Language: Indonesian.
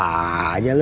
gak ada aja lu